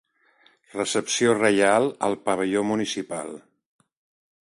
Recepció reial al pavelló municipal.